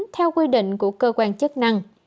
theo quy định của cơ quan chức năng